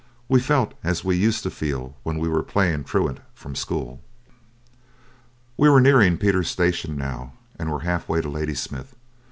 We felt as we used to feel when we were playing truant from school. We were nearing Pieter's Station now, and were half way to Ladysmith.